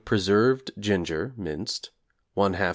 preserved ginger (minced), 1/2 lb.